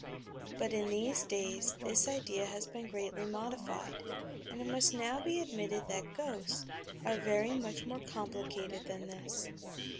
But in t"hese days this idea has been greatly modified, and it must now be ad mitted that "ghosts" are very much more complicated than this.